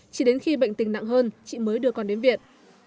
chỉ đến khi bệnh tình nặng hơn chị mới đưa con đến viện